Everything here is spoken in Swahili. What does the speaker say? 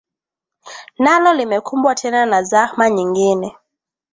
nalo limekumbwa tena na zahma nyingine